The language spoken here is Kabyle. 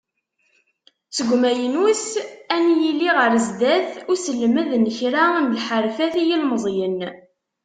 Seg umaynut, ad n-yili ɣer sdat uselmed n kra n lḥerfat i yilemẓiyen.